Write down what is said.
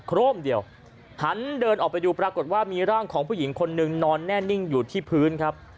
โร่มเดียวหันเดินออกไปดูปรากฏว่ามีร่างของผู้หญิงคนนึงนอนแน่นิ่งอยู่ที่พื้นครับ